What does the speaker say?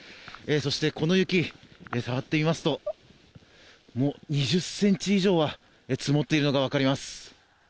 そして、この雪触ってみますと２０ｃｍ以上は積もっているのが分かります。